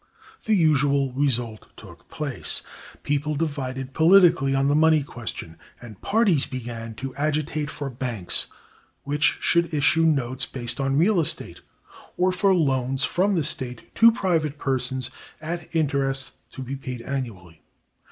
The usual result took place. People divided politically on the money question, and parties began to agitate for banks which should issue notes based on real estate, or for loans from the state to private persons at interest to be paid annually.